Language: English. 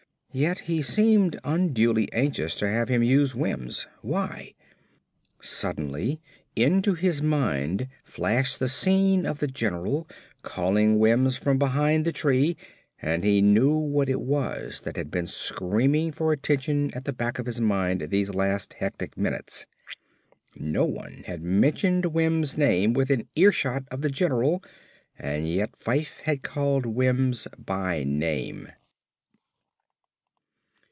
Yet he seemed unduly anxious to have him use Wims. Why? Suddenly, into his mind flashed the scene of the general calling Wims from behind the tree and he knew what it was that had been screaming for attention at the back of his mind these last hectic minutes. _No one had mentioned Wims' name within earshot of the general and yet Fyfe had called Wims by name!